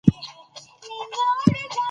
د ټولنې اجزا باید په دقت وپېژندل سي.